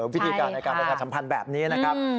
วิธีการในการประชาสัมพันธ์แบบนี้นะครับ